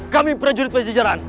kami prajurit pada sejarah